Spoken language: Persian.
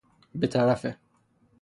بطرف ِ